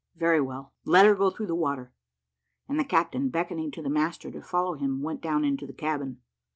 "Very well; let her go through the water;" and the captain, beckoning to the master to follow him, went down into the cabin.